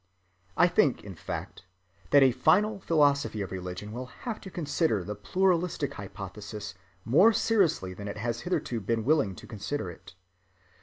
I think, in fact, that a final philosophy of religion will have to consider the pluralistic hypothesis more seriously than it has hitherto been willing to consider it.